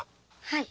はい。